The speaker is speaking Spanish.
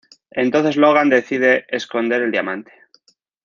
Entonces Logan decide esconder el diamante.